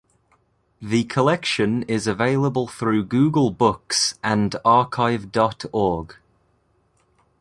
The collection is available through Google Books and archive dot org.